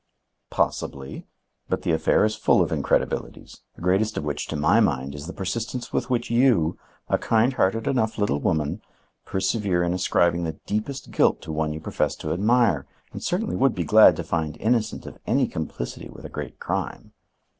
"Possibly, but the affair is full of incredibilities, the greatest of which, to my mind, is the persistence with which you, a kind hearted enough little woman, persevere in ascribing the deepest guilt to one you profess to admire and certainly would be glad to find innocent of any complicity with a great crime."